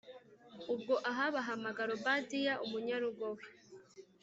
Ubwo Ahabu ahamagara Obadiya umunyarugo we